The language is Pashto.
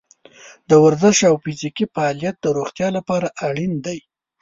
د ورزش او فزیکي فعالیت د روغتیا لپاره اړین دی.